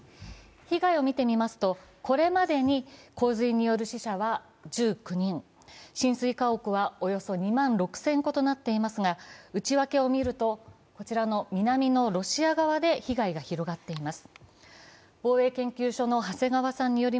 被害を見てみますとこれまでに洪水による死者は１９人、浸水家屋はおよそ２万６０００戸となっていますが、内訳を見ると、南のロシア側で被害が広がっています。